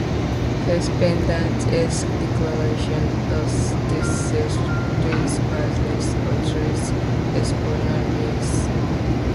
Cependant, ces déclarations sont discréditées par les autorités espagnoles.